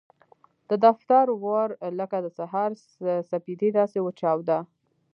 د دفتر ور لکه د سهار سپېدې داسې وچاوده.